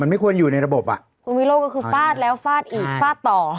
ไม่ควรอยู่ในระบบอ่ะคุณวิโรธก็คือฟาดแล้วฟาดอีกฟาดต่อ